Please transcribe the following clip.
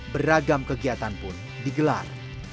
beragam kegiatan pun digelar